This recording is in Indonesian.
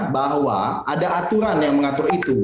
bahwa ada aturan yang mengatur itu